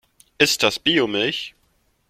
Ist das Biomilch?